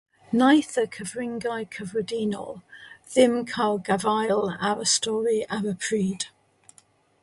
Wnaeth y cyfryngau cyffredinol ddim cael gafael ar y stori ar y pryd.